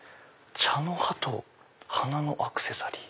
「茶の葉と花のアクセサリー」。